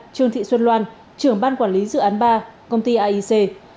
ba trương thị xuân loan trưởng ban quản lý dự án ba công ty aic